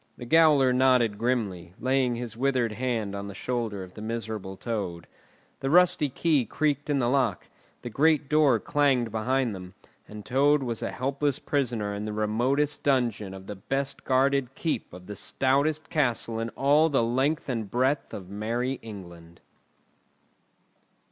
The gaoler nodded grimly, laying his withered hand on the shoulder of the miserable Toad. The rusty key creaked in the lock, the great door clanged behind them; and Toad was a helpless prisoner in the remotest dungeon of the best guarded keep of the stoutest castle in all the length and breadth of Merry England.